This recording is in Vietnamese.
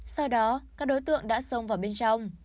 sau đó các đối tượng đã xông vào bên trong